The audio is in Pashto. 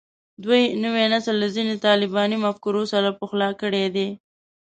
دوی نوی نسل له ځینو طالباني مفکورو سره پخلا کړی دی